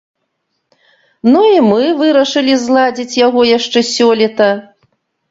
Ну і мы вырашылі зладзіць яго яшчэ сёлета.